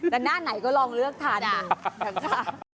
แต่หน้าไหนก็ลองเลือกทานนะคะ